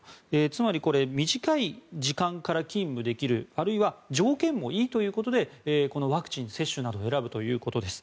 つまり、短い時間から勤務できるあるいは条件もいいということでワクチン接種などを選ぶということです。